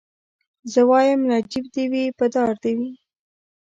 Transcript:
زه وايم نجيب دي وي په دار دي وي